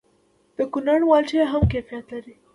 د کونړ مالټې هم کیفیت لري.